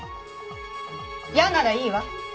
嫌ならいいわ。